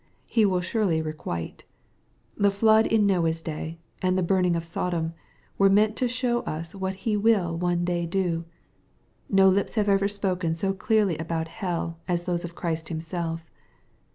He will surely requite. The flood in Noah's day, and the burning of Sodom, were meant to show us what He will one day do. No lips have ever spoken so clearly about hell as those of Christ Himself.